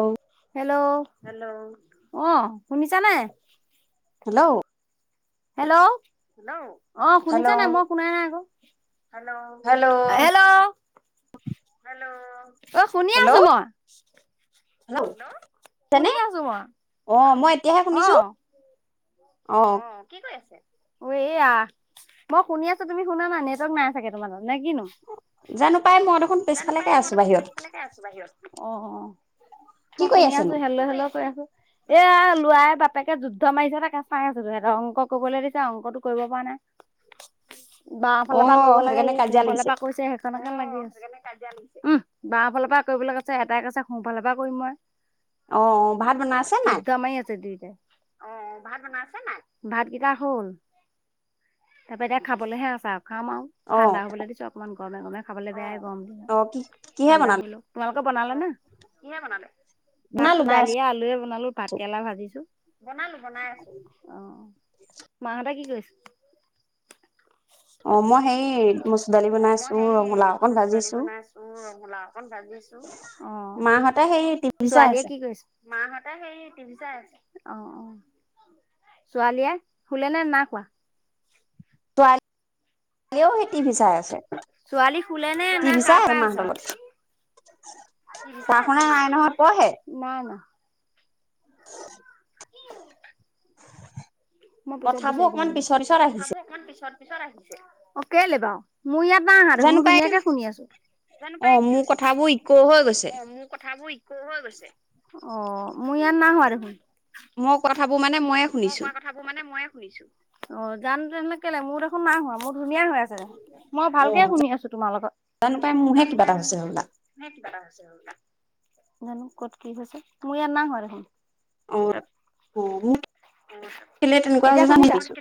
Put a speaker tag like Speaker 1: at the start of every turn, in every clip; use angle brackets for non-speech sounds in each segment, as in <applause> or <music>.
Speaker 1: অ!
Speaker 2: Hello hello আহ শুনিছা নে,
Speaker 1: হেল্ল'!
Speaker 2: হেল্ল'! অ
Speaker 1: হেল্ল'
Speaker 2: শুনিছা নাই মই কোনাই নে আকৌ- হেল্ল
Speaker 1: হেল্ল'
Speaker 2: হেল্ল' হেল্ল ' অ শুনি
Speaker 1: হেল্ল'
Speaker 2: আছো মই।
Speaker 1: হেল্ল'
Speaker 2: শুনি
Speaker 1: জানে
Speaker 2: আছো মই
Speaker 1: অ মই এতিয়াহে
Speaker 2: অ
Speaker 1: শুনিছো,
Speaker 2: অ কি কৈ আছে। এয়া মই শুনি আছো তুমি শুনা না নেটৱৰ্ক নাই চাগে তোমাৰত
Speaker 1: জানো পাই মই দেখোন
Speaker 2: জানো পাই
Speaker 1: পিছফালেকে
Speaker 2: মই
Speaker 1: আছো
Speaker 2: দেখোন
Speaker 1: বাহিৰত
Speaker 2: পছফালেকে আছো বাহিৰত অ অ
Speaker 1: কি
Speaker 2: মই
Speaker 1: কৰি
Speaker 2: শুনি আছো
Speaker 1: আছেনো
Speaker 2: হেল হেল কৰি আছো এয়া লোৱাই তাপেকে যুদ্ধ মাৰিছে তাকে চাই আছো তহঁতে অংক কবলৈ দিছে অংকতো কৰিব পৰা নাই। বা
Speaker 1: অ
Speaker 2: ফালৰ পৰা কৰিব
Speaker 1: সেইটো
Speaker 2: লাগে
Speaker 1: কাৰণে
Speaker 2: সি
Speaker 1: কাজিয়া
Speaker 2: মোৰ ফালৰ
Speaker 1: লাগিছে
Speaker 2: পৰা কৰিছে। কেনেকে লাগে? কাজিয়া আনিছেম বাৰ ফালৰ পৰা কৰিবলৈ কৈছে এটাই কৈছে সোঁফালৰ পৰা কৰিম মই।
Speaker 1: অ অ ভাত বনাইছে
Speaker 2: ত
Speaker 1: নাই
Speaker 2: দমাই আছে দুয়োটাই। ভাত বনাইছে নাই ভাত কেইটা হ'ল তাৰপা এতিয়া খাবলৈহে আছাও। খাম আৰু
Speaker 1: অ
Speaker 2: ঠাণ্ডা হবলৈ দিছো অকণমান। গৰমে গমে খাবলৈ বেয়াই। গৰম
Speaker 1: অ কি
Speaker 2: দিনত
Speaker 1: কিহে
Speaker 2: ঠাণ্ডা
Speaker 1: বনালে
Speaker 2: হৈ লওক। বনালে ন বনালে।
Speaker 1: বনালো
Speaker 2: ভাততো
Speaker 1: বনাই আছো।
Speaker 2: দালিয়ে আলুে বনালো ভাত কেৰেলা ভাজিছো। বনালো বনাই আছো অ মাহঁতে কি কৰিছে?
Speaker 1: অ মই সেই মচুৰ দালি
Speaker 2: অ মই
Speaker 1: বনাইছো
Speaker 2: সেই
Speaker 1: ৰঙালাও অকন
Speaker 2: মচু দালি
Speaker 1: ভাজিছো
Speaker 2: বনাইছো ৰঙালাও অকন ভাজিছো অ।
Speaker 1: মাহঁতে সেই টিভি চাই
Speaker 2: ছোৱালীয়ে
Speaker 1: আছে
Speaker 2: কি কৰিছে? মাহতে হেৰি অ অ ছোৱালীয়ে শুলে নে নাই শুৱা।
Speaker 1: ছছোৱালীয়েও যি ভি চাই আছে।
Speaker 2: ছোৱালী শুলে নে নে
Speaker 1: টিভি চাই
Speaker 2: সাৰ পাই
Speaker 1: মাহঁতৰ লগত
Speaker 2: আছে। আ
Speaker 1: পঢ়া শুনা নাই নহয় পঢ়ে
Speaker 2: ন ন
Speaker 1: <unintelligible>
Speaker 2: মই পিছত
Speaker 1: কথাবোৰ
Speaker 2: বিচাৰি দিম
Speaker 1: অকমান
Speaker 2: ৰবা
Speaker 1: পিছত পিছত আহিছে
Speaker 2: অক পিছত পিছত আহিছে, অ কেলে বাও? মোৰ ইয়াত ন আহা দেখোন
Speaker 1: জানো
Speaker 2: মই
Speaker 1: পাই
Speaker 2: ধুনীয়াকে শুনি আছো।
Speaker 1: অ মোৰ কথাবোৰ ইক' হৈ গৈছে
Speaker 2: অ মোৰ কথাবোৰ ই ইকৌ অ মোৰ ইয়াত নাহোৱা দেখোন।
Speaker 1: মোৰ কথা মানে মইয়ে শুনিছো।
Speaker 2: ফুৰিছো অ যান তেনেহলে কে লাগ মোৰত দেখোন না হোৱা মোৰ ধুনীয়া হৈ আছে দেখোন। মই
Speaker 1: অ
Speaker 2: ভালকে শুনি আছো তোমাৰ লগত।
Speaker 1: জানো পাই মোৰহে কিবা এটা হৈছে হ'বলা।
Speaker 2: জানো কত কি হৈছে মোৰ ইয়াত নাই হোৱা দেখোন।
Speaker 1: অ। অ মোৰ কেলে তেনেকুৱা
Speaker 2: এতিয়া
Speaker 1: হৈছে জানো
Speaker 2: শুনিছা?
Speaker 1: ভাবিছো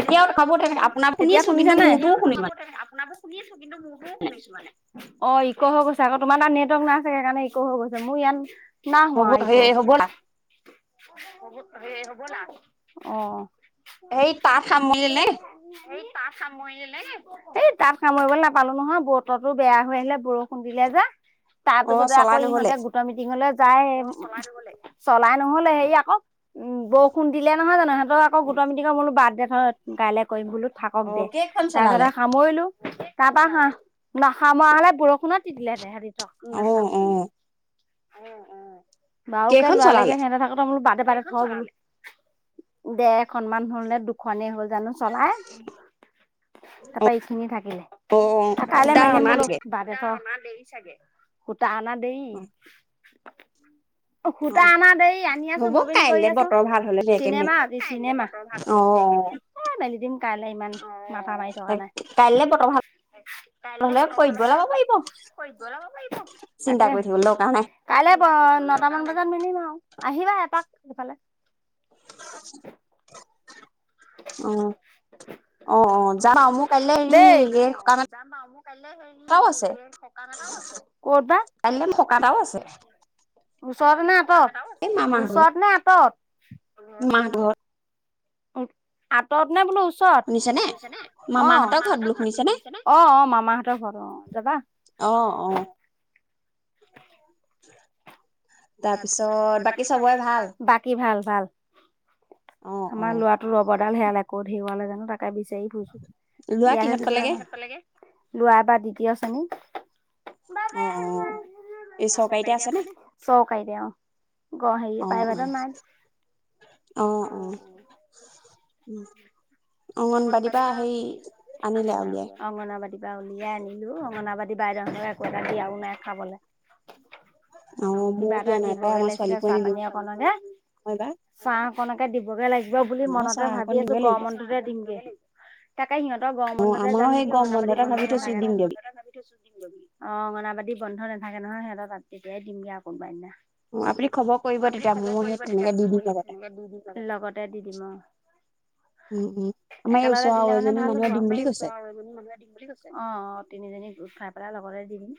Speaker 1: এতিয়াও কথাবোৰ তেনেকে আপোনাৰ
Speaker 2: এতিয়া
Speaker 1: শুনিছো
Speaker 2: শুনিছা
Speaker 1: কিন্তু
Speaker 2: নাই?
Speaker 1: মোৰটোও শুনিছো
Speaker 2: ইকৌ
Speaker 1: মানে।
Speaker 2: অ ইক হৈ গৈছে আকৌ তোমাৰ তাত নেটৰ্ক না সেইকাৰণে ইক হৈ গৈছে মোৰ ইয়াত না
Speaker 1: হ'ব
Speaker 2: হোৱা ইকৌ।
Speaker 1: সেই হ'বলা।
Speaker 2: বহুত হ'ব অ।
Speaker 1: সেই তাঁত সামৰিলে
Speaker 2: এই তা চ মৰি নে এই তাত কামৰিবলৈ নাপালো নহয় বতৰো বেয়া হৈ আহিলে বৰষুণ দিলে যা তাৰ
Speaker 1: অ
Speaker 2: পিছতে আকৌ
Speaker 1: চলাই নহলে।
Speaker 2: ইহঁতে গোটৰ মিটিঙলৈ যায় মনাইবলৈ চলাই নহ'লে হেৰি আকৌ উম বৰষুণ দিলে নহয় জানো সিহঁতক গোট মিংক মলো বাৰ্থডে গাইলে কৰিম বুললো থাকক
Speaker 1: অ
Speaker 2: যে
Speaker 1: কেইখন
Speaker 2: তাৰপিছত
Speaker 1: চলালে?
Speaker 2: আৰু কামৰিলো তাৰপৰা হাঁ নাখা মৰা হলে বৰষ শুনা দি দিলে হে হেৰিতক
Speaker 1: অ
Speaker 2: নচা
Speaker 1: অ
Speaker 2: কৰো ন উম উম বাৰুে
Speaker 1: কেইখন
Speaker 2: লৰালেকে
Speaker 1: চলালে
Speaker 2: সেনেে থাকোতেো ব হ দেৰখনন মান হ'ল নে দুখনেই হ'ল জানো চলাই
Speaker 1: অ
Speaker 2: তাৰাপা এইখিনি থাকিলে
Speaker 1: অ
Speaker 2: থাকাইে
Speaker 1: সুদা
Speaker 2: মেলিম
Speaker 1: অনা
Speaker 2: বোলো
Speaker 1: দিলে
Speaker 2: বাদেশৰ দে চাগে সুত আনা দেই
Speaker 1: অ
Speaker 2: উম
Speaker 1: অ
Speaker 2: সূতা আমাৰ দেই আনি আছো
Speaker 1: হ'ব
Speaker 2: ববিন কৰি
Speaker 1: কাইলে
Speaker 2: আছো
Speaker 1: বতৰ ভাল হলে ধুনীয়াকে
Speaker 2: চিনেমা
Speaker 1: মেলি
Speaker 2: আজি চিনেমা
Speaker 1: অ
Speaker 2: হে মেলি দিম কালে ইমান মাথা মাৰি থকা
Speaker 1: অ
Speaker 2: নাই
Speaker 1: কাইলে বতৰ ভাল
Speaker 2: কাই
Speaker 1: হলে
Speaker 2: বতৰ ভাল
Speaker 1: কৰিবলৈ পাৰিব
Speaker 2: হলে
Speaker 1: চিন্তা
Speaker 2: তাকে
Speaker 1: কৰি থাকিব দৰকাৰ নাই
Speaker 2: কাইলে নট মান বজাত মিলিম আৰু আহিবা এপাক সফালে
Speaker 1: <unintelligible> উ অ অ যাম মোৰ কাইলে হেৰি
Speaker 2: দেই
Speaker 1: এইক আছে
Speaker 2: ক'ত বা
Speaker 1: কাইলৈ মোৰ সক এটাও আছে
Speaker 2: ওচৰ ন
Speaker 1: এই মামাৰ ঘৰত
Speaker 2: ওচৰত নে এ তত
Speaker 1: মাহঁতৰ ঘৰত
Speaker 2: আঁতৰত নে বোলো ু
Speaker 1: শুনিছে নে
Speaker 2: অ
Speaker 1: মামাহঁতৰ ঘৰত
Speaker 2: মামাহতৰ
Speaker 1: বোলো শুনিছে নে
Speaker 2: ঘ অ অ মামাহঁতৰ ঘৰত অ যাবা অ
Speaker 1: উ
Speaker 2: তাৰ পিছত বাকী চবৰে ভাল বাকী ভাল ভাল
Speaker 1: অ অ
Speaker 2: আমাৰ ল'ৰাটো ৰ'বত দুডাল হোল আ কতেওৱালে জানো তাক বিচাৰিুৈছো
Speaker 1: লোৱা কিহঁত পালেগে
Speaker 2: লৰা বা দ্বিতীয় শ্ৰণী
Speaker 1: অ অ এই চৰকাৰীতে আছে নে অ অ
Speaker 2: <unintelligible>
Speaker 1: হয় উম
Speaker 2: অংগনবাদীৰ পৰা সেই আনিলো
Speaker 1: আৰু উলিয়াই
Speaker 2: হেই অংগনাবাদী কিবা উলিয়াই আনিলো অঙনাবাদি বাইদেউৰ একো এটা দিয়াও নাই খাবলৈ
Speaker 1: অ
Speaker 2: কিবা
Speaker 1: মোৰো
Speaker 2: এটা
Speaker 1: দিয়া নাই পাই
Speaker 2: দিবগে
Speaker 1: আমাৰ
Speaker 2: লাগিছিলে
Speaker 1: ছোৱালীকো
Speaker 2: চাহ
Speaker 1: আনিলো
Speaker 2: পানী অকণক যে
Speaker 1: নহয় এইবাৰ
Speaker 2: চাহ অকনকে দিবগে লাগিব দিব বুলি
Speaker 1: অ
Speaker 2: মনতে
Speaker 1: চাহ
Speaker 2: ভাবি
Speaker 1: অকণ
Speaker 2: আছো
Speaker 1: দিবই
Speaker 2: গড
Speaker 1: লাগিব
Speaker 2: মন্থতে তাকে সিহঁতৰ গ
Speaker 1: অ
Speaker 2: বন্দতে
Speaker 1: আমাৰো
Speaker 2: যাম
Speaker 1: সেই
Speaker 2: নেকি
Speaker 1: গৰম
Speaker 2: অংনাবাদ়ী
Speaker 1: বন্ধতে
Speaker 2: বন্ধ
Speaker 1: ভাবি থৈছো
Speaker 2: নাথাকে নহয়
Speaker 1: দিমগে বুলি
Speaker 2: অংগনবাদী বন্ধ নাথাকে নহয় সিহঁত ত তেতিয়াই দিমগে আৰু কোনোবাই দিনা
Speaker 1: অ খবৰ কৰিব
Speaker 2: আপুনি
Speaker 1: তেতিয়া
Speaker 2: খবৰ
Speaker 1: ময়ো সেই
Speaker 2: কৰিব তেতিয়া
Speaker 1: তেনেকে দি দিম
Speaker 2: ময় সেই
Speaker 1: লগতে
Speaker 2: তেনেকে দি দিম লগতে দি দিম অ
Speaker 1: উম, উম, আমাৰ এই
Speaker 2: একেলগতে
Speaker 1: ওচৰৰ আৰু
Speaker 2: দিলে মানে
Speaker 1: এজনী
Speaker 2: ভাল হ'ব
Speaker 1: মানুহে দিম
Speaker 2: আম
Speaker 1: বুলি
Speaker 2: ওচ
Speaker 1: কৈছে।
Speaker 2: এম বুলি কৈছে অ অ তিনি এ খাই পেলাই লগতে দি দিম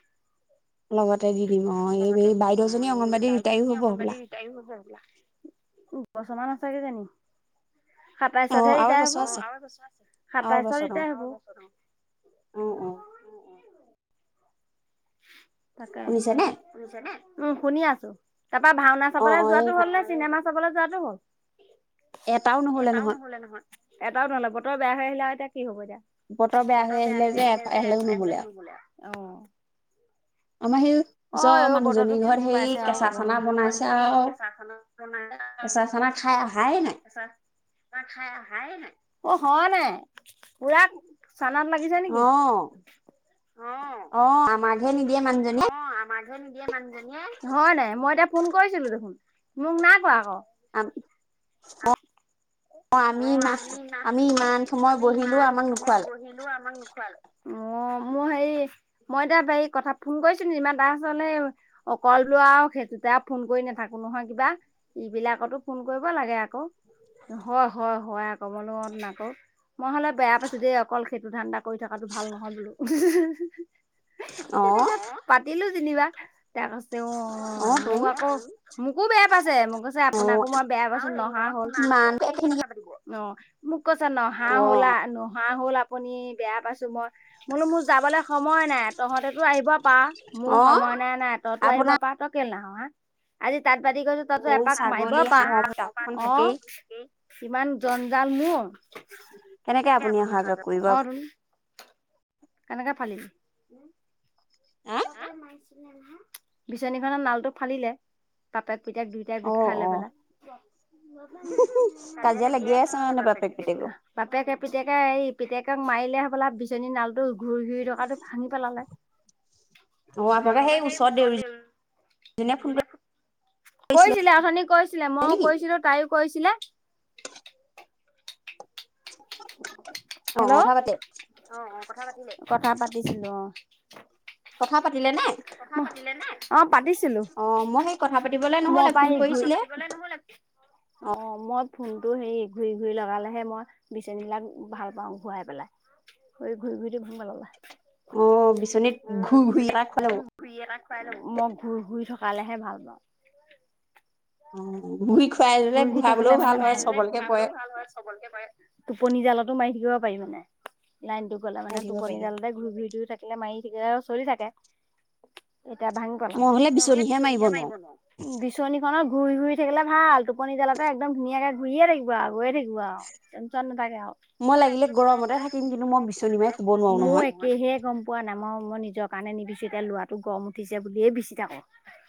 Speaker 1: লগতে দি দিম অ এই বাইদেউজনী অংগনবাাদী ৰিটায়ো হব হবলা
Speaker 2: বছমান আ চাগে জানি সাতাইছত
Speaker 1: অ',
Speaker 2: হেই
Speaker 1: আৰু এবছৰ
Speaker 2: হ
Speaker 1: আছে। আৰু
Speaker 2: সাতাইশৰ
Speaker 1: এবছৰ অ',
Speaker 2: ৰিটাৰ হব
Speaker 1: অ', অ',
Speaker 2: তাকে
Speaker 1: শুনিছেনে?
Speaker 2: বুজিছনে উম শুনি আছো তাপা ভাওনা
Speaker 1: অ',
Speaker 2: চাবলৈ
Speaker 1: অ', এই
Speaker 2: যোৱাটো হল ন চিনেমা চাবালে যোৱাটো হল
Speaker 1: এটাও নহলে নহয়
Speaker 2: এটাও নললে বতৰ বেয়া হৈ আহিলে এয়া কি হব এতিয়া বতৰ বেয়া হৈ আহিলে যে একেলগে ঘুৰি গলে আওঁ অ
Speaker 1: আমাৰ সেই উচ
Speaker 2: অ বতৰটো
Speaker 1: মানুজনীৰ ঘৰত
Speaker 2: কিনো
Speaker 1: হেই
Speaker 2: পাইছে আৰু
Speaker 1: কেঁচা
Speaker 2: ক'ব
Speaker 1: চানা
Speaker 2: নোৱাৰো
Speaker 1: বনাইছে আৰু কেঁচা চানা খাই অহাইে নাই
Speaker 2: নাই অ হোৱা নাই পুৰা চানাত লাগিছে নেকি
Speaker 1: অ',
Speaker 2: আহ
Speaker 1: <unintelligible> নিদিয়ে মানুহজনীয়ে
Speaker 2: <unintelligible> হয় নাই মই এতিয়া ফোন কৰিছিলো দেখোন মোক নাই কোৱা আকৌ
Speaker 1: অ', আমি আমি ইমান সময় বহিলোও আমাক নোখোৱালে
Speaker 2: অ', মোৰ হেৰি মইতিয়া বাৰীক কথা ফোন কৰিছো ইমান তাৰছ অকলটো আৰু সেইটোতে আৰু ফোন কৰি নাথাকো নহয় কিবা এইবিলাকতো ফোন কৰিব লাগে আকৌ হয়-হয়-হয় আ', ক'বলৈ নকৌ মই হ'লে বেয়া পাইছো দেই অকল সেইটো ধান্দা কৰি থকাটো ভাল নহয় বোলো। উ <unintelligible>
Speaker 1: অ',
Speaker 2: তেনেকে পাতিলো। জিনিবা। তাক কৈছে অ,
Speaker 1: অ', তোন
Speaker 2: মোক আকৌ মোকো বেয়া পাইছে মোক কৈছে আপোনাকো
Speaker 1: অ',
Speaker 2: মই বেয়া পাইছো নহা হল।
Speaker 1: কিমান এখিনি
Speaker 2: অ', মোক কৈছে নহা
Speaker 1: অ',
Speaker 2: হ'লা নহা হ'লা। আপুনি বেয়া পাইছো মই। বোলো মোৰ যাবলৈ সময় নাই তহঁতে আহিব পাৰা মোৰ
Speaker 1: অ',
Speaker 2: সময় নাই-নাই তইতো আহিব
Speaker 1: আপোনাৰ
Speaker 2: পাৰা তই। নহা আজি তাত তাত বাতি কৰিছো
Speaker 1: গৰু,
Speaker 2: এপাক মাৰিব
Speaker 1: ছাগলী, হাঁহৰ
Speaker 2: পৰা
Speaker 1: তাঁতখন
Speaker 2: অ
Speaker 1: থাকেই
Speaker 2: ইমান ড জাল মৰ
Speaker 1: কেনেকে আপুনি অহা যোৱা কৰিব।
Speaker 2: কেনেকে ফালিল।
Speaker 1: হা?
Speaker 2: পাপাই মাৰিছে। বিচনী খনৰ নালটো ফালিলে তাপ পিতেক দুইটাই গোট
Speaker 1: অ',
Speaker 2: খাই
Speaker 1: অ',
Speaker 2: পেলায়
Speaker 1: কাজিয়া লাগিয়ে আছে মানে বাপেক পিতেকৰ?
Speaker 2: আ', বাপেকে পিতেকে এই তাক মাৰিলে হবলা বিচনী নালটো ঘূৰি-ঘূৰি থকাটো ভাঙি পেলালে।
Speaker 1: অ', আপোনালোকৰ সেই ওচৰত দেউৰীজনীয়ে ফোন কৰিছিলে
Speaker 2: কৈছিলে অথনি কৈছিলে মইও
Speaker 1: নেকি?
Speaker 2: কৈছিলো তাই কৈছিলে। উ <inaudible>
Speaker 1: অ',
Speaker 2: হেল্ল'
Speaker 1: কথা পাতে।
Speaker 2: অ, কথা পাতিলে? কথা পাতিছিলো অ',
Speaker 1: কথা পাতিলে নে?
Speaker 2: অ', অ', পাতিছিলো
Speaker 1: অ', মই সেই কথা পাতিবলৈ
Speaker 2: মই
Speaker 1: নহলে
Speaker 2: পৰা
Speaker 1: ফোন
Speaker 2: সি ঘূৰি
Speaker 1: কৰিছিলে।
Speaker 2: অ', মই ফোনটো হেৰি ঘূৰি-ঘূৰি লগালেহে মই। বিচনীবিলাক ভাল পাওঁ ঘূৰাই পেলাই ঘূৰি-ঘূৰি-ঘূৰি টো ভাঙ্গি পেলালে
Speaker 1: অ', বিচনীত ঘূৰি ঘূৰি এটা খুৱালে
Speaker 2: মই ঘূ-ঘুৰি থকা খালেহে ভাল পাওঁ।
Speaker 1: অ', ঘূৰি খুৱাই দিলে
Speaker 2: ঘূহি থাকিলে
Speaker 1: ঘূৰাবলৈও
Speaker 2: মানে,
Speaker 1: ভাল হয়
Speaker 2: খোৱাই দিলে
Speaker 1: চবলকে পৰে
Speaker 2: ঘূৰাবলৈওঁ ভাল হয় চবলৈকে পৰে। টোপনি জালতো মাৰি থাকি ব পাৰি মানে। লাইনটো গ'লে মানে
Speaker 1: মাৰি থাকিব
Speaker 2: টোপনি
Speaker 1: পাৰি অ'।
Speaker 2: জালতে ঘূৰি ঘূৰি ধুই থাকিলে মাই থাকিলে আৰু চলি থাকে। এতিয়া ভাঙি পেলালে, মই হ'লে বিচনীহে মাৰিব নোৱাওঁ। বিচনীখনৰ ঘূৰি ঘূৰি থাকিলে ভাল টোপনি জালাতে একদম ধুনীয়াকে ঘূৰিয়ে থাকিব আৰু, গৈয়ে থাকিব আৰু, টেনচন নাথাকে আৰু। মই লাগিলে গৰমতে থাকিম কিন্তু মই বিচনী মাৰি শুৱ নোৱাওঁ। মোৰ একেহে গম পোৱা নাই। মই, মই নিজৰ নিজৰ কাৰণে নিবিছো, এতিয়া ল'ৰাটো গৰম উঠিছে বুলিয়ে বিচি থাকো।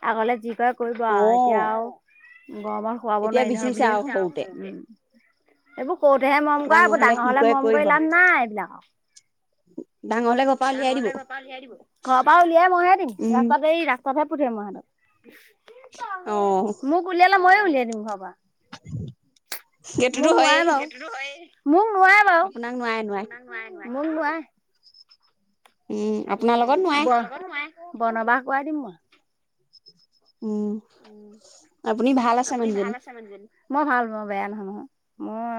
Speaker 2: আগলে যি কয় কৰিব আউ,
Speaker 1: অ'।
Speaker 2: এতিয়া আউ অ' আমাৰ খোৱাব
Speaker 1: এতিয়া
Speaker 2: নোৱাৰি নহয়
Speaker 1: বিচিছে
Speaker 2: বুলিয়ে,
Speaker 1: আৰু সৰুতে
Speaker 2: উম্। এবোৰ সৰুতেহে মৰম কৰা, এইবোৰ ডাঙৰ
Speaker 1: কি
Speaker 2: হ'লে
Speaker 1: কৰে
Speaker 2: মৰম কৰি
Speaker 1: কৰিব
Speaker 2: লাভ নাই এইবিলাকক।
Speaker 1: ডাঙৰ হলে ঘৰ পৰা
Speaker 2: ডাঙৰ
Speaker 1: উলিয়াই দিব
Speaker 2: হ'লে ঘৰ পৰা উলিয়াই দিব। ঘৰৰ পৰা উলিয়াই মইহে দিম।
Speaker 1: উম
Speaker 2: ৰাস্তাত এই ৰাস্তাতহে <inaudible>
Speaker 1: অ'।
Speaker 2: মোক উলিয়ালে ময়ো উলিয়াই দিম ঘৰ পৰা।
Speaker 1: সেইটোতো
Speaker 2: মোক
Speaker 1: হয়েই
Speaker 2: নোৱাৰে বাৰু, সেইতোটো হয়েই। মোক নোৱাৰে বাৰু,
Speaker 1: আপোনাক নোৱাৰে নোৱাৰে
Speaker 2: আপোনাক নোৱাৰে। মোক নোৱায়ে।
Speaker 1: উম আপোনাৰ লগত
Speaker 2: উম্,
Speaker 1: নোৱাৰে
Speaker 2: আপোনাৰ লগত নোৱায়ে। বনবাস কৰাই দিম মই।
Speaker 1: উম্, আপুনি ভাল আছে মানুহজনী।
Speaker 2: মই ভাল, মই বেয়া নহয় নহয়। মোৰ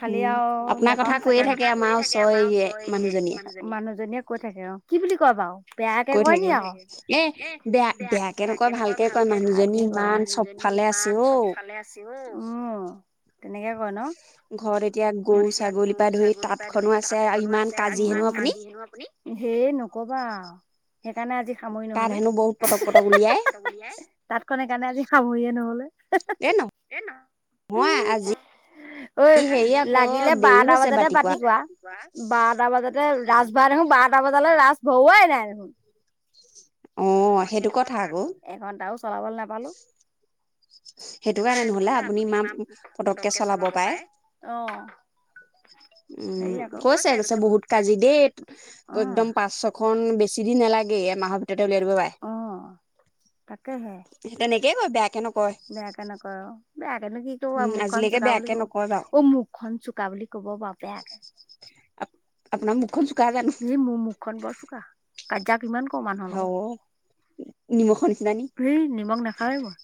Speaker 2: খালি
Speaker 1: উম
Speaker 2: আউ
Speaker 1: আপোনাৰ
Speaker 2: নেপাম
Speaker 1: কথা
Speaker 2: চাগে।
Speaker 1: কৈয়ে
Speaker 2: আপোনাৰ
Speaker 1: থাকে
Speaker 2: কথা
Speaker 1: আমাৰ
Speaker 2: কৈয়ে থাকে আমাৰ ওচৰ এইয়ে মানুহজনীয়ে, মানুহজনীয়ে কৈ থাকে অ', কি বুলি কয় বাউ?
Speaker 1: কৈ থাকে, এ বেয়া বেয়া কে নকয় ভালকে
Speaker 2: এ ভাল
Speaker 1: কয়
Speaker 2: কে
Speaker 1: মানুহজনী
Speaker 2: কয় অ'।
Speaker 1: ইমান
Speaker 2: মানুহজনী
Speaker 1: চবফালে আছে
Speaker 2: ইমান
Speaker 1: অ
Speaker 2: চবফালে আছে অ', অ'। তেনেকে কয় ন?
Speaker 1: ঘৰত এতিয়া গৰু
Speaker 2: ঘৰত এতিয়া
Speaker 1: ছাগলীৰ
Speaker 2: গৰু,
Speaker 1: পৰা ধৰি
Speaker 2: ছাগলী পা
Speaker 1: তাঁতখনো
Speaker 2: ধৰি
Speaker 1: আছে আৰু
Speaker 2: তাঁতখনো
Speaker 1: ইমান
Speaker 2: আছে
Speaker 1: কাজি
Speaker 2: আৰু
Speaker 1: হেনো
Speaker 2: ইমান
Speaker 1: আপুনি
Speaker 2: কাজি হেনো আপুনি? হেই নকবা। সেইকাৰণে আজি সামৰি
Speaker 1: তাত
Speaker 2: নহ'লে
Speaker 1: হেনো বহুত পটক পটক উলিয়াই
Speaker 2: তাঁতখন সেই কাৰণে আজি সামৰিয়ে নহ'লে।
Speaker 1: এ নহয় আজি
Speaker 2: ঐ
Speaker 1: ই হেৰি আকৌ
Speaker 2: লাগিলে
Speaker 1: দেৰি
Speaker 2: বাৰটা
Speaker 1: হৈছে
Speaker 2: বজাতে বাতি কোৱা, বাৰটা বজাতে ৰাজ ভৰা দেখোন, বাৰটা বজালৈ ৰাজ ভৰোৱাই নাই দেখোন। অ' সেইটো কথা আকৌ, এঘন্টাও <unintelligible> নাপালো। সেইটো কাৰণে নহলে আপুনি ইা পতককে চলাব পাৰে অ', সেইয়া আঁক আৰু কৈছে কৈছে বহুত কাজি দেই একদম পাঁচ ছখন বেছি দিন নালাগেই এমাহৰ ভিতৰতে উলিয়াই দিব পাৰে।
Speaker 1: পাৰে
Speaker 2: তেনেকে
Speaker 1: তেনেকেই
Speaker 2: কয় বেয়াকে নক
Speaker 1: নকয়
Speaker 2: বেয়াকে নকয় অ', বেয়াকেনো কি কব
Speaker 1: উম
Speaker 2: মুখখন
Speaker 1: আজিলৈকে
Speaker 2: চুকাা
Speaker 1: বেয়াকে
Speaker 2: বুলি কব
Speaker 1: নকয় বাৰু
Speaker 2: অ', মুখখন চোকা বুলি কব বা বেয়াকে। আপোনাৰ মুখ খন চুকা জানো এ মোৰ মুখ মোখ খন বৰ চোকা কিমান ক মানুহৰ
Speaker 1: অ
Speaker 2: লগত
Speaker 1: নিমখৰ নিচিনা নি
Speaker 2: এই নিমখ নাখাও এ ময়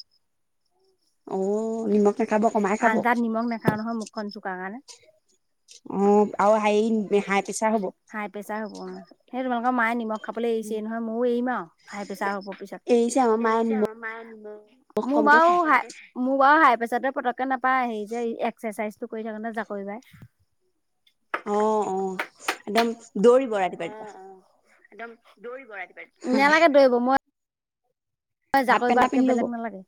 Speaker 1: অ নিমখ নাখাব কমাই খাব
Speaker 2: আঞ্জাত নিমখ নাখাও নহয় মুখখন চোকা কাৰণে।
Speaker 1: অ আৰু
Speaker 2: <unintelligible>
Speaker 1: হেৰি
Speaker 2: হাই
Speaker 1: প্ৰেছাৰ হ'ব
Speaker 2: প্ৰেছাৰ হব অ', সেই তোমালোকৰ মায়ে নিমখ খাবলৈ এৰিছে নহয়, ময়ও এৰিম আৰু হাই প্ৰেছাৰ হব পিছত।
Speaker 1: এৰিছে আমাৰ মায়ে নিমখ
Speaker 2: <unintelligible> মোৰ
Speaker 1: কমকে
Speaker 2: মাও
Speaker 1: খায়
Speaker 2: হাই মোৰ অ', হাই প্ৰেছাৰতোয়ে পতককে নাপায় হেৰি যে এক্সাৰচাইজটো কৰি থাকে নহয় জাকৰিবাই।
Speaker 1: অ', অ' একদম দৌৰিব ৰাতি পুৱা ৰাতি পুৱা।
Speaker 2: দৌৰিব ৰা নেলাগে দৌৰিব মই
Speaker 1: হাফ পেণ্ট এটা
Speaker 2: জাকৈবাতকে
Speaker 1: পিন্ধি ল'ব
Speaker 2: বেলেগ নালাগে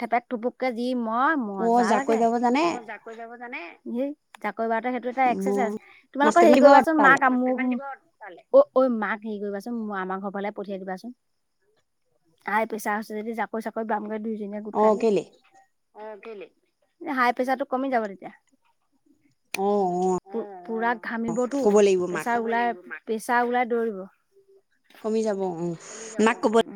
Speaker 2: ঠেপেত ঠোপোক কে জি মই
Speaker 1: অ
Speaker 2: মজা
Speaker 1: জাকৈ
Speaker 2: লাগে
Speaker 1: বাব জানে
Speaker 2: অ', <unintelligible> হেই জাকৈ বাৰতা সেইটো এটা
Speaker 1: মই
Speaker 2: একচৰচাইজ তোমালোকৰ
Speaker 1: মাষ্টৰ
Speaker 2: হেৰি
Speaker 1: দিব
Speaker 2: কৰিবাচোন
Speaker 1: তালে
Speaker 2: মাক মোৰ ঐ মাক হেৰি কৰিবাচোন আমাৰ ঘৰ ফালে পঠিয়াই দিবাচোন। আই পইচা আছে যদি জাকৈ চাকৈ বামগৈ দুই
Speaker 1: অ কেলে
Speaker 2: <unintelligible> লৈ। হাই প্ৰেচাৰটো কমি যাব তেতিয়া।
Speaker 1: অ অ
Speaker 2: পোৰা ঘামিব তো
Speaker 1: ক'ব লাগিব মাক
Speaker 2: প্ৰেছাৰ ওলাই প্ৰেচাৰ ওলাই দৌৰিব।
Speaker 1: কমি যাব অ' মাক ক'ব
Speaker 2: উ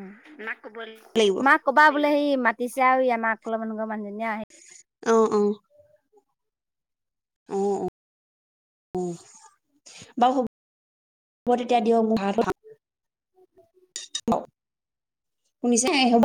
Speaker 1: লাগিব
Speaker 2: মাক কবা বোলে সেই ই মাতিছে আৰু ই <unintelligible> মানুহ <unintelligible>
Speaker 1: অ', অ',। অ', অ', বাৰু হব তেতিয়া দিয়ক ভ শুনিছে হব